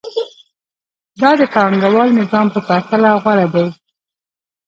دا د پانګوال نظام په پرتله غوره دی